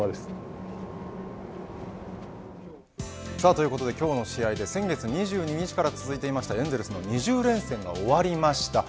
ということで今日の試合で先月２２日から続いていたエンゼルスの２０連戦が終わりました。